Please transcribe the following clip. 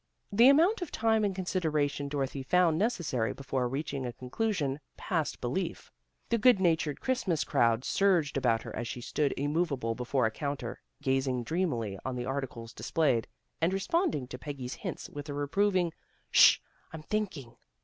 The amount of tune and consideration Dorothy found necessary before reaching a conclusion, passed belief. The good natured Christmas crowd surged about her as she stood immovable before a counter, gazing dreamily on the articles displayed, and responding to Peggy's hints with a reproving " Sh! I'm thinking."